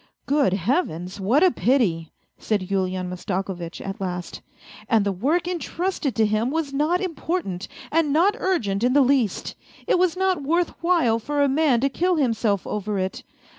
" Good Heavens ! what a pity !" said Yulian Mastakovitch at last. " And the work entrusted to him was not important, and not urgent in the least. It was not worth while for a man to kill himself over it